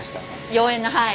妖艶なはい。